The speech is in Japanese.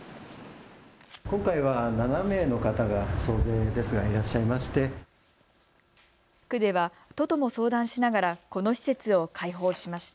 今回は７名の方がいらっしゃいまして。